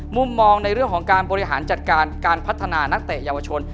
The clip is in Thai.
มุมมองในเรื่องของการบริหารจัดการการพัฒนานักเตะเยาวชน